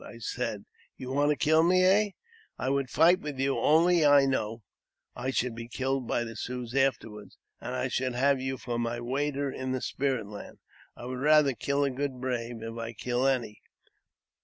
I said, "You want to kill me, eh? I would fight with you, only I know I should be killed by the Siouxs afterward, and I should have you for my waiter in the spirit land. I would rather kill a good brave, if I kill any."